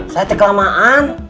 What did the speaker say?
saya teg kelamaan